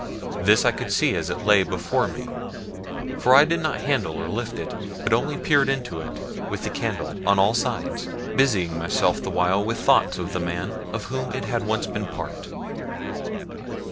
This I could see as it lay before me, for I did not handle or lift it, but only peered into it, with the candle, on all sides, busying myself the while with thoughts of the man of whom it had once been part.